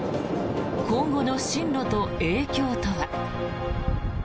今後の進路と影響とは。